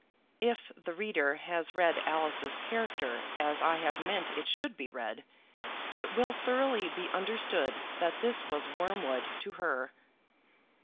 [If the reader has read Alice's character as I have meant it should be read, it will thoroughly be understood that this was wormwood to her.